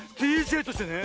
ＤＪとしてね